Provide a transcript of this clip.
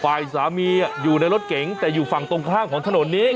ฝ่ายสามีอยู่ในรถเก๋งแต่อยู่ฝั่งตรงข้ามของถนนนี้